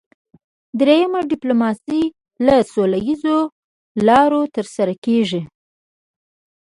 دریم ډیپلوماسي له سوله اییزو لارو ترسره کیږي